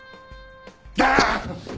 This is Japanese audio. ダァーッ！